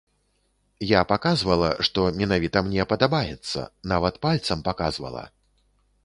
Я паказвала, што менавіта мне падабаецца, нават пальцам паказвала.